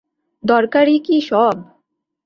দরকারই কি সব।